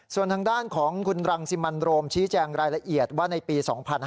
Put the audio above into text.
ส่วนทางด้านของคุณรังสิมันโรมชี้แจงรายละเอียดว่าในปี๒๕๕๙